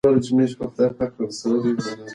ماشوم په خندا کې له انا نه وپوښتل.